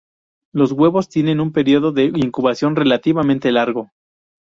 Los huevos tienen un período de incubación relativamente largo.